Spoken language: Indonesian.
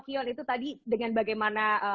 kion itu tadi dengan bagaimana